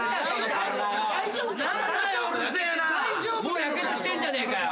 もうやけどしてんじゃねえかよ。